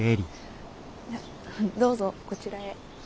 どうぞこちらへ。